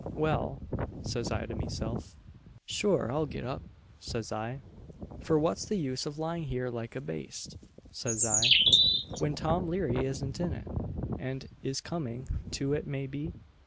'Well,' says I to meself, 'sure I'll get up,' says I, 'for what's the use of lying here like a baste,' says I, 'when Tom Leary isn't in it, and is coming to it may be?'